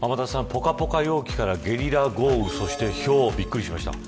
ぽかぽか陽気からゲリラ豪雨そして、ひょうびっくりしました。